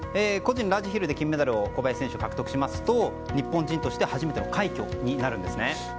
個人ラージヒルで金メダルを小林選手が獲得しますと日本人として初めての快挙になるんですね。